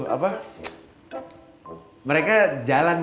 apa lashesnya ga di atm